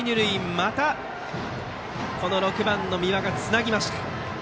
また６番、三輪がつなぎました。